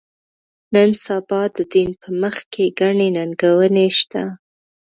نن سبا د دین په مخ کې ګڼې ننګونې شته.